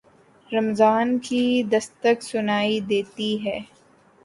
رمضان کی دستک سنائی دیتی ہے۔